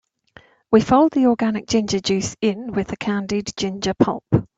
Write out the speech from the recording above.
We fold the organic ginger juice in with the candied ginger pulp.